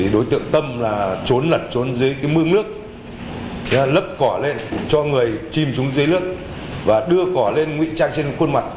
đối tượng tâm trốn lật trốn dưới mương nước lấp cỏ lên cho người chìm xuống dưới nước và đưa cỏ lên ngụy trang trên khuôn mặt